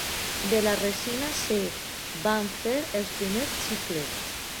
De la resina se'n van fer els primers xiclets.